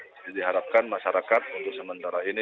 jadi diharapkan masyarakat untuk sementara ini